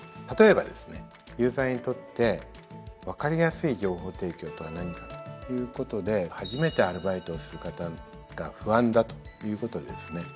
例えばですねユーザーにとって分かりやすい情報提供とは何かっていうことで初めてアルバイトをする方が不安だということでですね